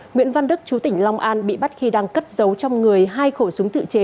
nguyễn văn đức chú tỉnh long an bị bắt khi đang cất giấu trong người hai khẩu súng tự chế